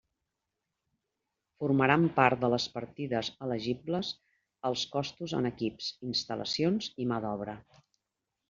Formaran part de les partides elegibles els costos en equips, instal·lacions i mà d'obra.